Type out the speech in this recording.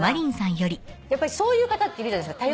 やっぱりそういう方っているじゃないですか。